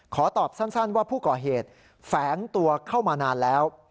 ขอตอบสั้นว่าผู้ก่อเหตุแฝงตัวเข้ามานานแล้ว